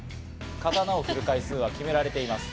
刀を振る回数は決められています。